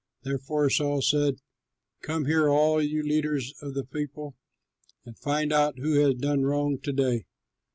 Therefore Saul said, "Come here, all you leaders of the people, and find out who has done wrong to day.